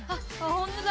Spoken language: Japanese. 本当だ。